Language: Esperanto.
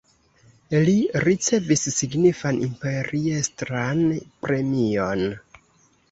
Li ricevis signifan imperiestran premion.